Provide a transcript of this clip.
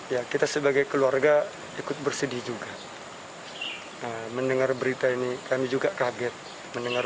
ya kita sebagai keluarga ikut bersedih juga mendengar berita ini kami juga kaget mendengar